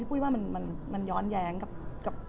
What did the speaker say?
พี่ปุ๊ยว่ามันย้อนแยงกับกล่อง